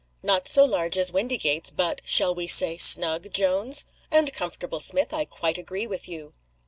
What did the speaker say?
"NOT SO large as Windygates. But shall we say snug, Jones?" "And comfortable, Smith. I quite agree with you."